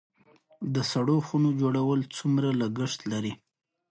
د سړو خونو جوړول څومره لګښت لري؟